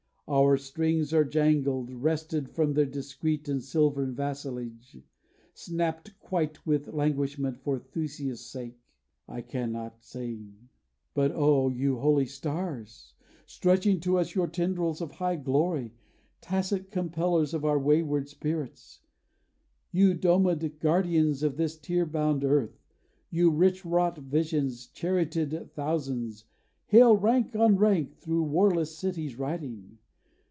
Our strings are jangled, wrested From their discreet and silvern vassalage, Snapped quite with languishment for Theseus' sake. I cannot sing. But O you holy stars! Stretching to us your tendrils of high glory; Tacit compellers of our wayward spirits; You domèd guardians of this tear bound earth, You rich wrought visions, charioted thousands Hale rank on rank, thro' warless cities riding!